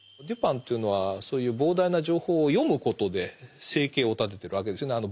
デュパンというのはそういう膨大な情報を読むことで生計を立ててるわけですよね。